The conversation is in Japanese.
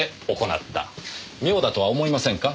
妙だとは思いませんか？